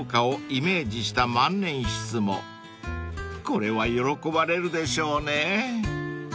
［これは喜ばれるでしょうねぇ］